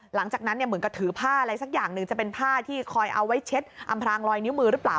หลังจากนั้นเหมือนกับถือผ้าอะไรสักอย่างหนึ่งจะเป็นผ้าที่คอยเอาไว้เช็ดอำพลางลอยนิ้วมือหรือเปล่า